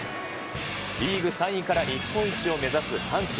リーグ３位から日本一を目指す阪神。